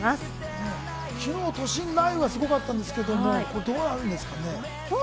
昨日、都心は雷雨がすごかったんですけど、今日はどうなんでしょうかね？